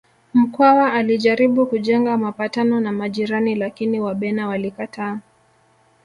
Mkwawa alijaribu kujenga mapatano na majirani lakini Wabena walikataa